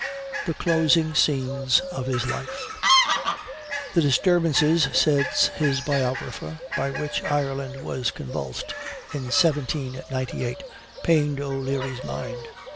THE CLOSING SCENES OF HIS LIFE. "The disturbances," says his biographer, "by which Ireland was convulsed in 1798 pained O'Leary's mind.